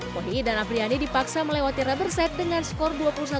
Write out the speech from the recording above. poni dan apriani dipaksa melewati rubber set dengan skor dua puluh satu delapan belas